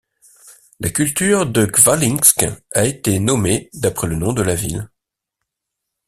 La culture de Khvalynsk a été nommée d'après le nom de la ville.